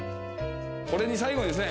これに最後にですね